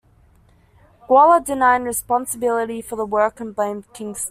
Gawler denied responsibility for the work and blamed Kingston.